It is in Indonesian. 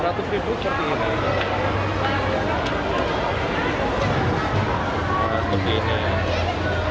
seratus ribu seperti ini